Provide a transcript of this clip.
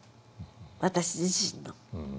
私自身の。